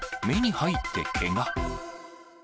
目に入ってけが。